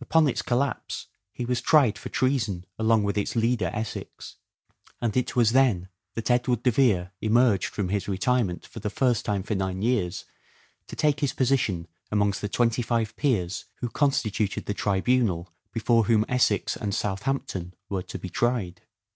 Upon its collapse he was tried for treason along with its leader Essex ; and it was then that Edward de Vere emerged from his retirement for the first time for nine years to take his position amongst the twenty five peers who constituted the tribual before whom Essex and Southampton were to be tried.